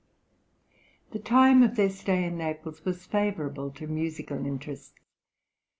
The time of their stay in Naples was favourable to musical interests.